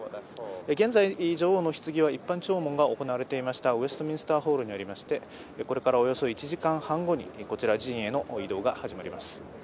現在、女王のひつぎは一般弔問が行われておりましたウェストミンスターホールにありましてこれからおよそ１時間半後にこちら寺院への移動が始まります。